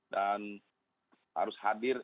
dan harus hadir